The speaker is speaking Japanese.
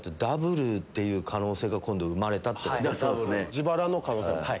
自腹の可能性もある。